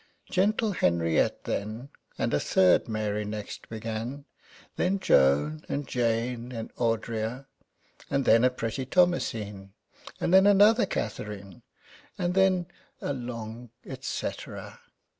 Gentle Henriette than And a third Mary next began, Then Joan, and Jane, and Audria. And then a pretty Thomasine, And then another Katharine, And then a long et c├"tera.